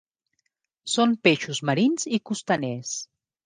Són peixos marins i costaners.